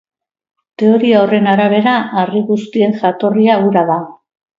Teoria horren arabera harri guztien jatorria ura da.